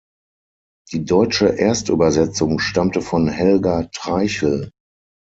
Die deutsche Erstübersetzung stammte von Helga Treichl.